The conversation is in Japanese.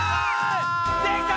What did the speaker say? できた！